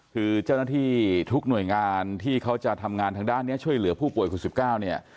คือเจ้าหน้าที่ทุกหน่วยงานที่เขาจะทำงานทางด้านนี้ช่วยเหลือผู้ป่วยคุณ๑๙เนี่ย